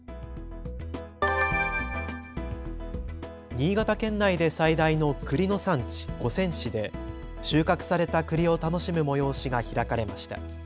新潟県内で最大のくりの産地、五泉市で収穫されたくりを楽しむ催しが開かれました。